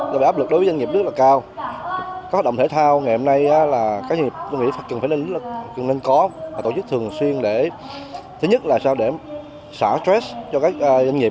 các doanh nghiệp cần nên có tổ chức thường xuyên để xả stress cho các doanh nghiệp